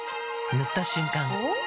塗った瞬間おっ？